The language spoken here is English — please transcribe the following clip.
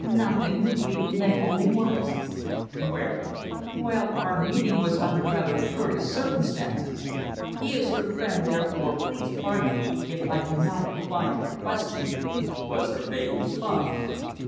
"Nothing. We met only once." "Where?" "Well our meeting was under rather curious circumstances. He is your friend, therefore please pardon me if I do not reply to your question," was her vague response.